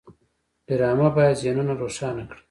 ډرامه باید ذهنونه روښانه کړي